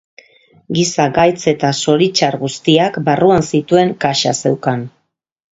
Giza gaitz eta zoritxar guztiak barruan zituen kaxa zeukan.